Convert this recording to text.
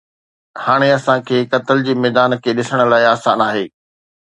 هاڻي اسان کي قتل جي ميدان کي ڏسڻ لاء آسان آهي